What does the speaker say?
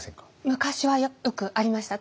昔はよくありました。